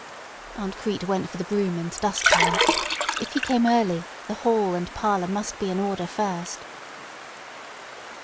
Aunt Crete went for the broom and dust pan. If he came early, the hall and parlor must be in order first.